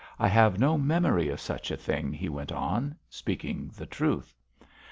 I have no memory of such a thing," he went on, speaking the truth.